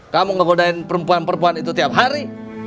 kamu ngegodain perempuan perempuan itu tiap hari